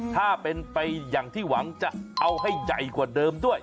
ถ้าเป็นไปอย่างที่หวังจะเอาให้ใหญ่กว่าเดิมด้วย